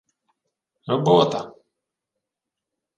— Робота...